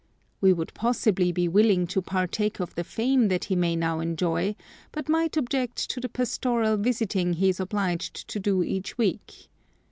We would possibly be willing to partake of the fame that he may now enjoy, but might object to the pastoral visiting he is obliged to do each week.